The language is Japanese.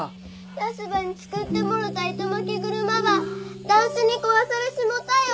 ヤスばに作ってもろた糸まき車ば男子に壊されっしもたよ